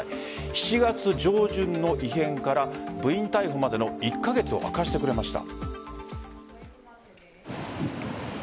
７月上旬の異変から部員逮捕までの１カ月を明かしてくれました。